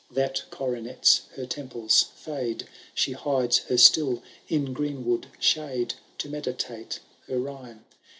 That coronets her temples, fiule. She hides her still in greenwood shade, To meditate her rhjrme.